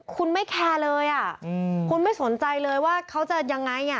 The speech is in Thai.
คุณไม่แคร์เลยอ่ะคุณไม่สนใจเลยว่าเขาจะยังไง